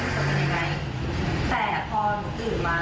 เมื่อคืนนี้พอกลับมาหนูก็รู้สึกว่า